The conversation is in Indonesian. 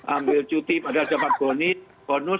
ambil cuti padahal dapat bonus